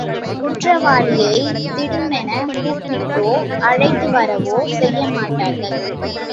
குற்றவாளியைத் திடுமெனக் கூப்பிட்டோ, அழைத்து வரவோ செய்யமாட்டார்கள்.